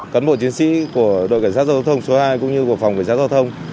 cán bộ chiến sĩ của đội cảnh sát giao thông số hai cũng như của phòng cảnh sát giao thông